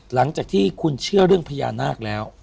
หลังจากที่คุณเชื่อเรื่องพญานาคแล้ว